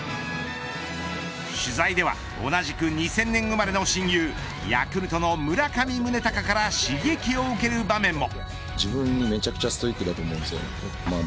取材では同じく２０００年生まれの親友ヤクルトの村上宗隆から刺激を受ける場面も。